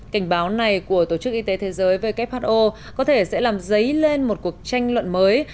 cảnh báo này của tổ chức y tế thế giới who có thể sẽ làm dấy lên một cuộc tranh luận mới